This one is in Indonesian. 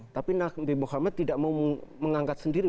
tapi nabi muhammad tidak mau mengangkat sendiri